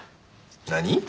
何？